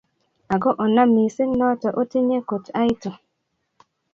Ago onam mising' noto otinye kot aitu.